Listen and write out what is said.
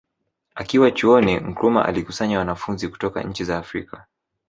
Akiwa Chuoni Nkrumah alikusanya wanafunzi kutoka nchi za Afrika